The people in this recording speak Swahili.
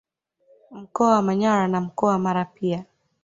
Mkoa wa Manyara na mkoa wa Mara pia